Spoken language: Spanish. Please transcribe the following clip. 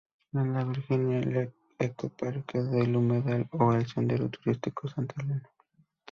En La Virginia el Ecoparque el Humedal o el Sendero Turístico Santa Elena.